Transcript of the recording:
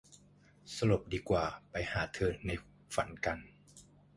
สลบดีกว่า ไปหาเธอในฝันกัน